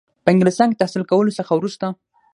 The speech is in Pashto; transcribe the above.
په انګلستان کې تحصیل کولو څخه وروسته.